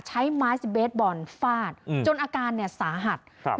ใช้ไม้สเบสบอลฟาดอืมจนอาการเนี่ยสาหัสครับ